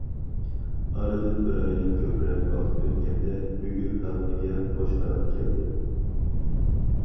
ئارىدىن بىر ئايدىن كۆپرەك ۋاقىت ئۆتكەندە، بۈگۈر خەلقىگە خۇش خەۋەر كەلدى.